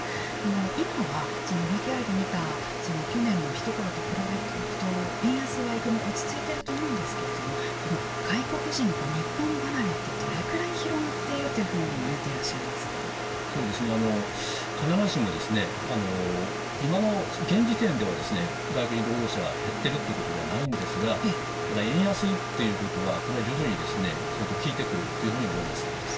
今は、ＶＴＲで見た去年のひところと比べると円安は幾分落ち着いていると思うんですけれどもこの外国人の日本離れってどれくらい広がっているというふうに必ずしも今の現時点では外国人労働者が減っているということではないんですがただ、円安ってことはこれは徐々に相当きいてくるというふうに思います。